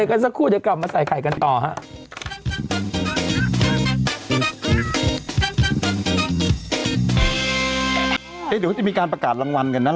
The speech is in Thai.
โอ้ยโวงการนี้มาจนแบบโอ้ยยยจะงอกกันหมด